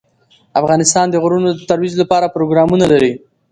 افغانستان د غرونه د ترویج لپاره پروګرامونه لري.